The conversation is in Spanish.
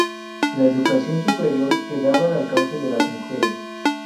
La educación superior quedaba al alcance de las mujeres.